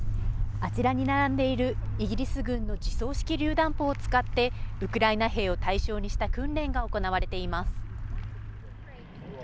あちらに並んでいるイギリス軍の自走式りゅう弾砲を使ってウクライナ兵を対象にした訓練が行われています。